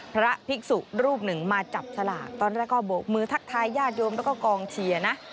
พระภิกษุรูปหนึ่งมาจับสลากตอนแรกก็โบกมือทักทายญาติโยมแล้วก็กองเชียร์นะ